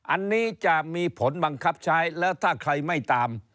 อันนี้จะมีผลบังคับใช้แล้วถ้าใครไม่ตาม